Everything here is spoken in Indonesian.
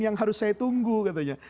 yang harus saya tunggu katanya